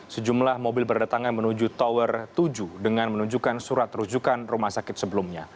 sejumlah mobil berdatangan menuju tower tujuh dengan menunjukkan surat rujukan rumah sakit sebelumnya